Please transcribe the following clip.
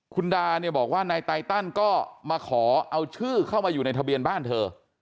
คุณดาเนี่ยบอกว่านายไตตันก็มาขอเอาชื่อเข้ามาอยู่ในทะเบียนบ้านเธอ